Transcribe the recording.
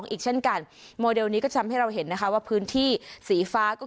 อีกเช่นกันโมเดลนี้ก็ทำให้เราเห็นนะคะว่าพื้นที่สีฟ้าก็คือ